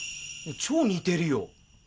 超似てるよ